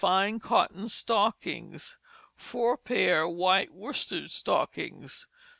Fine Cotton Stockings. 4 p. White Worsted Stockings.